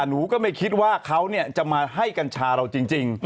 หนูก็ไม่คิดว่าเขาจะมาให้กัญชาเราจริง